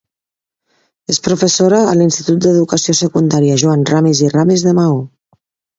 És professora a l'Institut d'Educació Secundària Joan Ramis i Ramis de Maó.